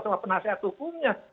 sama penasihat hukumnya